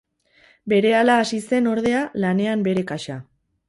Berehala hasi zen, ordea, lanean bere kasa.